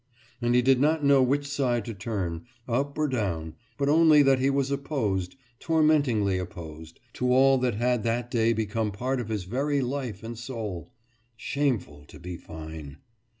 And he did not know which side to turn, up or down, but only that he was opposed, tormentingly opposed, to all that had that day become part of his very life and soul. Shameful to be fine....